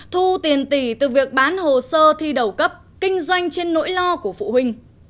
thu tiền tỷ từ việc bán hồ sơ thi đầu cấp kinh doanh trên nỗi lo của phụ huynh